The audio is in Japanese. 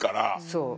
そう。